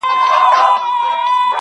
پر زود رنجۍ باندي مي داغ د دوزخونو وهم,